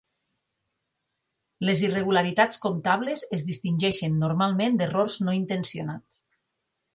Les irregularitats comptables es distingeixen normalment d'errors no intencionats.